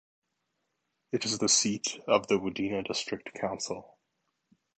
It is the seat of the Wudinna District Council.